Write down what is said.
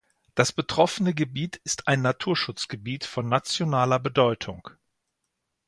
Das betroffene Gebiet ist ein Naturschutzgebiet von nationaler Bedeutung.